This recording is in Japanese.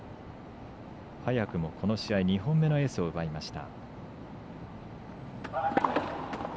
早くもこの試合２本目のエースを奪いました。